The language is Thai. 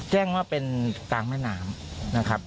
แจ้งว่าเป็นกลางแม่น้ำนะครับ